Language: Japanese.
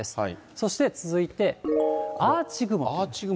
そして続いて、アーチ雲。